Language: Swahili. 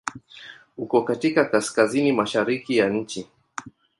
Uko katika Kaskazini mashariki ya nchi.